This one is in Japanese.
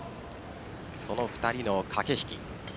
その２人の駆け引き。